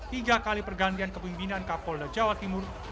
tiga kali pergantian kepemimpinan kapolda jawa timur